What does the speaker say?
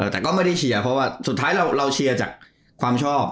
แต่ก็ไม่ได้เชียร์เพราะว่าสุดท้ายเราเชียร์จากความชอบ